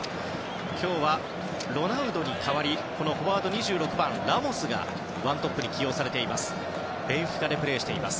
今日はロナウドに変わりフォワード、２６番ラモスが１トップに起用されています。